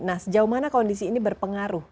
nah sejauh mana kondisi ini berpengaruh